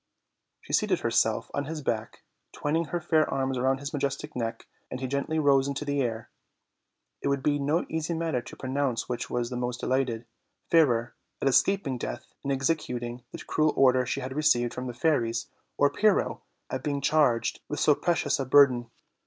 She seated herself on his back, twining her fair arms round his majestic neck, and he gently rose into the air. It would be no easy matter to pronounce which was the most delighted, Fairer, at escaping death in executing the cruel order she had received from the fairies, or Pyrrho, at being charged with so precious a burden.